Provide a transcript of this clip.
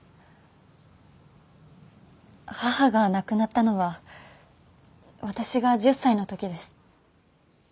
母が亡くなったのは私が１０歳の時です。